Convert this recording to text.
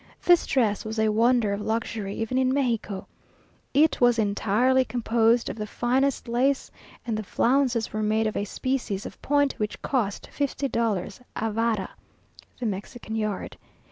This dress was a wonder of luxury, even in Mexico. It was entirely composed of the finest lace, and the flounces were made of a species of point which cost fifty dollars a vara (the Mexican yard).